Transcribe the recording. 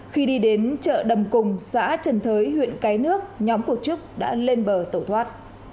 khi đi đến chợ đầm cùng xã trần thới huyện cái nước nhóm của trúc đã lên bờ tẩu thoát